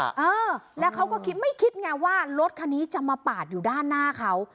เออแล้วเขาก็คิดไม่คิดไงว่ารถคันนี้จะมาปาดอยู่ด้านหน้าเขา